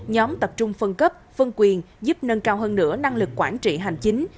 nhóm tập trung phân cấp phân quyền giúp nâng cao hơn nữa năng lực quản trị hành chính